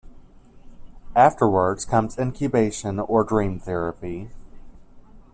Afterwards, comes incubation or dream therapy.